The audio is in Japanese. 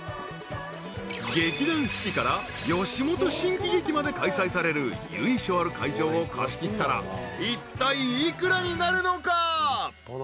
［劇団四季から吉本新喜劇まで開催される由緒ある会場を貸し切ったらいったい幾らになるのか？］